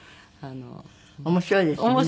面白いですね。